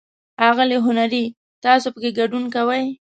ښاغلی هنري، تاسو پکې ګډون کوئ؟